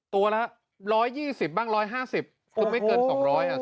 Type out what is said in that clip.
ตัวละ๑๒๐บ้าง๑๕๐คือไม่เกิน๒๐๐อ่ะ